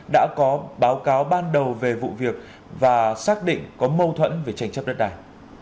đã có báo cáo ban đầu về vụ việc và xác định có mâu thuẫn về tranh chấp đất đài